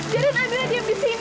jadikan amira diam di sini